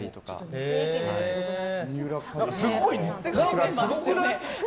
すごくない？